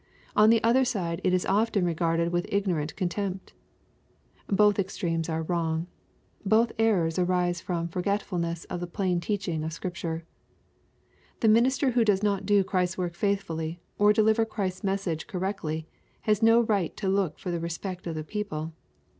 On the other side it is often regarded with ignorant contempt. Both extremes are wrong. Both errors arise from forgetfiil ness of the plain teaching of Scripture. The minister who does not do Christ's work faithfully, or deliver Christ's message correctly, has no right to look for the respect of the people.